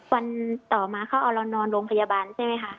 วันต่อมาเขาเอาเรานอนโรงพยาบาลใช่ไหมคะ